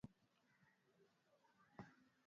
Alinipigia simu juzi